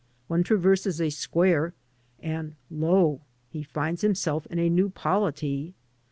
One traverses a square, and lo! he finds himself in a new polity.